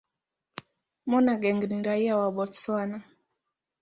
Monageng ni raia wa Botswana.